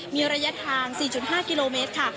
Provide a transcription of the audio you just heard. มีระยะทาง๔๕กิโลเมตรค่ะ